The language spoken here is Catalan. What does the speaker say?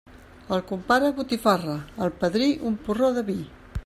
Al compare, botifarra; al padrí, un porró de vi.